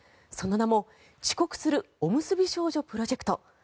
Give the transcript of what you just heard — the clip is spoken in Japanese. その名も、遅刻するおむすび少女プロジェクト。